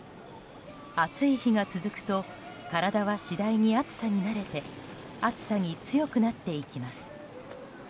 暑い日が続くと体は次第に暑さに慣れて暑さに強くなっていきます。